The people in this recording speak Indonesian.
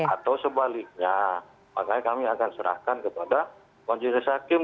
atau sebaliknya makanya kami akan serahkan kepada majelis hakim